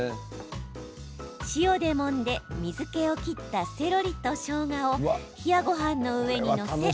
塩で、もんで水けを切ったセロリとしょうがを冷やごはんの上に載せ